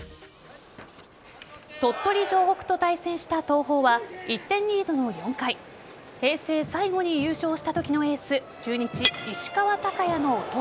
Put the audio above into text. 鳥取城北と対戦した東邦は１点リードの４回平成最後に優勝したときのエース中日・石川昂弥の弟